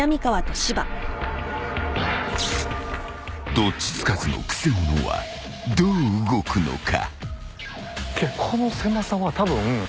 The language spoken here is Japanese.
［どっちつかずのくせ者はどう動くのか？］